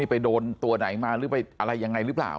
ไปโดนตัวไหนมาหรือไปอะไรยังไงหรือเปล่า